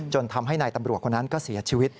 ทำให้นายตำรวจคนนั้นก็เสียชีวิต